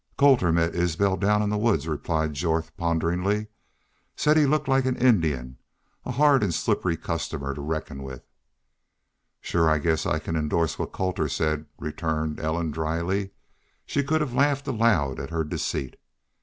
"Colter met Isbel down in the woods," replied Jorth, ponderingly. "Said he looked like an Indian a hard an' slippery customer to reckon with." "Shore I guess I can indorse what Colter said," returned Ellen, dryly. She could have laughed aloud at her deceit.